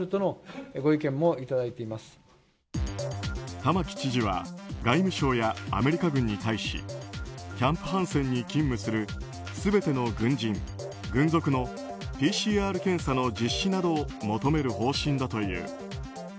玉城知事は外務省やアメリカ軍に対しキャンプ・ハンセンに勤務する全ての軍人・軍属のＰＣＲ検査の実施などを求める方針だという。